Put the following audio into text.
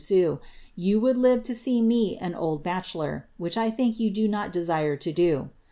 «ue, you would live to sec mc an old bac^helor, which I think ot desire to do.